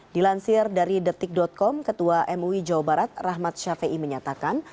dilansir dari detik com ketua mui jawa barat rahmat shafiei menyatakan